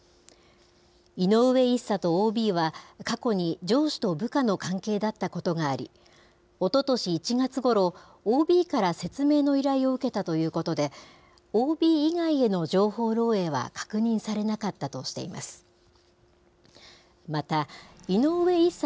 井上１佐とＯＢは、過去に上司と部下の関係だったことがあり、おととし１月ごろ、ＯＢから説明の依頼を受けたということで、ＯＢ以外への情報漏えいは確認されなかったとしています。